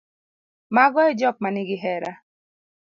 mago e jok ma nigi hera